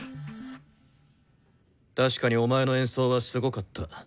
確かにお前の演奏はすごかった。